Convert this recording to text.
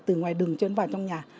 từ ngoài đường kiuật vào trong nhà